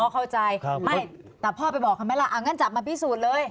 เข้าใจไม่แต่พ่อไปบอกเขาไหมล่ะเอางั้นจับมาพิสูจน์เลย